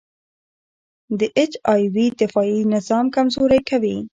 د اچ آی وي دفاعي نظام کمزوری کوي.